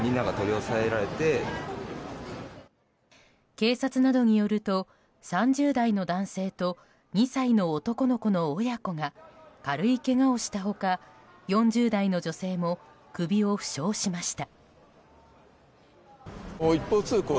警察などによると３０代の男性と２歳の男の子の親子が軽いけがをした他４０代の女性も首を負傷しました。